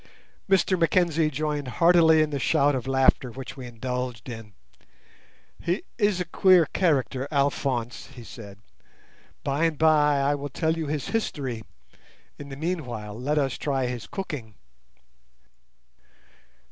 Mr Mackenzie joined heartily in the shout of laughter which we indulged in. "He is a queer character—Alphonse," he said. "By and by I will tell you his history; in the meanwhile let us try his cooking."